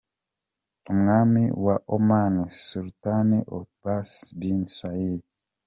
Umwami wa Oman, Sultan Qaboos bin Said